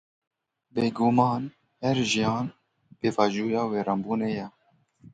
Bêguman her jiyan, pêvajoya wêranbûnê ye.